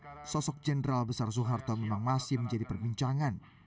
delapan belas tahun berselang sosok jenderal besar soeharto memang masih menjadi perbincangan